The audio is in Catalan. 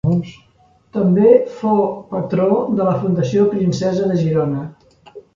També fou patró de la Fundació Princesa de Girona.